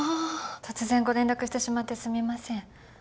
突然ご連絡してしまってすみません。